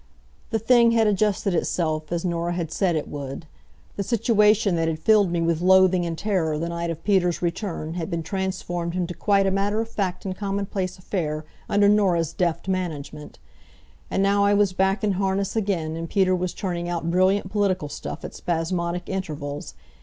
The thing had adjusted itself, as Norah had said it would. The situation that had filled me with loathing and terror the night of Peter's return had been transformed into quite a matter of fact and commonplace affair under Norah's deft management. And now I was back in harness again, and Peter was turning out brilliant political stuff at spasmodic intervals.